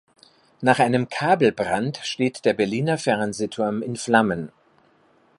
Nach einem Kabelbrand steht der Berliner Fernsehturm in Flammen.